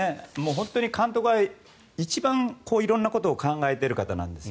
本当に監督は、一番色んなことを考えている方なんです。